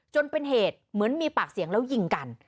จนเป็นเหตุเหมือนมีปากเสียงแล้วยิงกัน